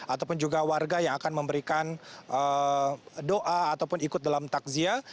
ataupun juga warga yang akan memberikan doa ataupun ikut dalam takziah